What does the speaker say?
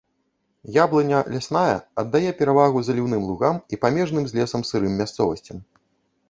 Яблыня лясная аддае перавагу заліўным лугам і памежным з лесам сырым мясцовасцям.